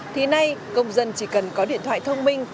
thì nay công dân chỉ cần có điện thoại thông minh